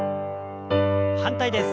反対です。